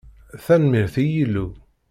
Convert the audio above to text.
Tanemmirt i Yillu.